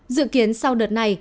dự kiến sau đợt này